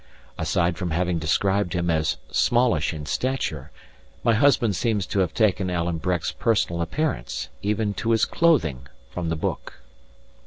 Aside from having described him as "smallish in stature," my husband seems to have taken Alan Breck's personal appearance, even to his clothing, from the book.